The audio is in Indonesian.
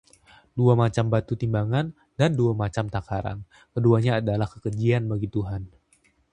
Dua macam batu timbangan dan dua macam takaran, keduanya adalah kekejian bagi Tuhan.